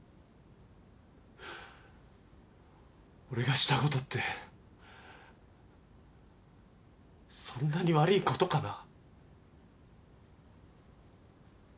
俺がしたことってそんなに悪ぃことかな？